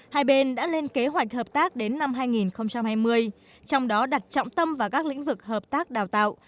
hai bên đã lên kế hoạch hợp tác đến năm hai nghìn hai mươi trong đó đặt trọng tâm vào các lĩnh vực hợp tác đào tạo